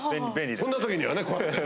そんな時にはねこうやって。